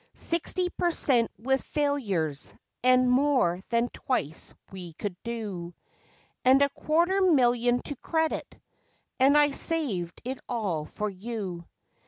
Sixty per cent with failures, and more than twice we could do, And a quarter million to credit, and I saved it all for you.